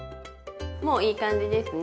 もういい感じですね。